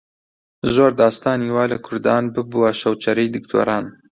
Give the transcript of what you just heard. زۆر داستانی وا لە کوردان ببووە شەوچەرەی دکتۆران